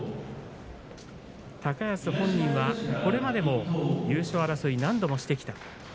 高安本人はこれまでも優勝争いを何度もしてきた。